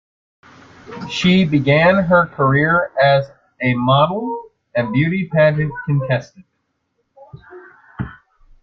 She began her career as a model and beauty pageant contestant.